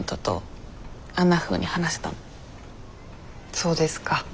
そうですか。